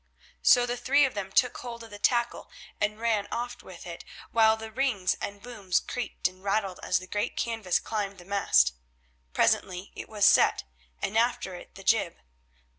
So the three of them took hold of the tackle and ran aft with it, while the rings and booms creaked and rattled as the great canvas climbed the mast. Presently it was set, and after it the jib.